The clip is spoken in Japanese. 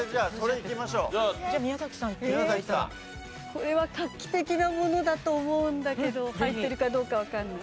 これは画期的なものだと思うんだけど入ってるかどうかわかんない。